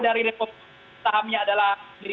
dari republik sahamnya adalah